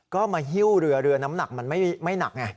ก็มาหิ้วเรือเรือน้ำหนักมันไม่หนักไง